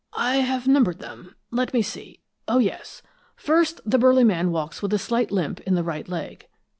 "I have numbered them. Let me see oh, yes. First, the burly man walks with a slight limp in the right leg.